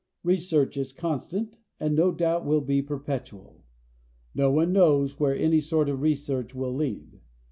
Research is constant and no doubt will be perpetual. No one knows where any sort of research will lead.